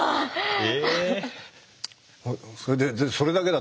え。